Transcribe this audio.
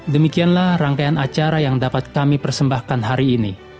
demikianlah rangkaian acara yang dapat kami persembahkan hari ini